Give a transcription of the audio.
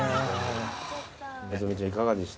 希ちゃん、いかがでした？